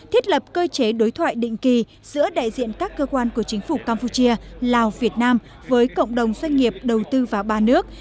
thiết lập cơ chế đối thoại định kỳ giữa đại diện các cơ quan của chính phủ campuchia lào việt nam với cộng đồng doanh nghiệp đầu tư vào ba nước